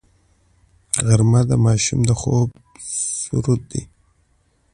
غرمه د ماشوم د خوب سرود دی